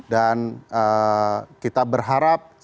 dan kita berharap semangat